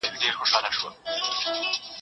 دا چي سوه روانه اوښکي راغللې